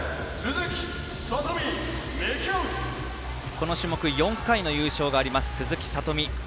この種目、４回の優勝があります鈴木聡美。